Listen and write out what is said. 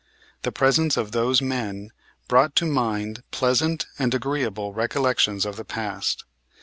The presence of those men brought to mind pleasant and agreeable recollections of the past.